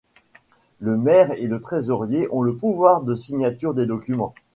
Le maire et le trésorier ont le pouvoir de signature des documents.